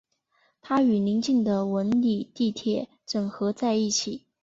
它与临近的文礼地铁站整合在一起。